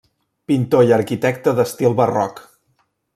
Pintor i arquitecte d'estil barroc.